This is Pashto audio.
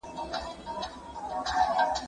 هغه څوک چي کالي وچوي منظم وي!؟